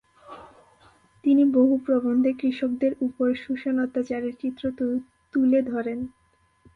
তিনি বহু প্রবন্ধে কৃষকদের উপর শোষণ অত্যাচারের চিত্র তুলে ধরেন।